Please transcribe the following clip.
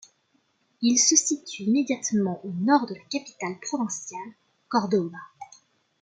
Il se situe immédiatement au nord de la capitale provinciale Córdoba.